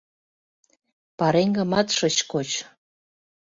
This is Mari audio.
Пареҥгымат шыч коч.